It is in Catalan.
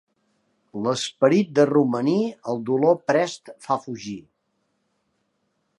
L'esperit de romaní, el dolor prest fa fugir.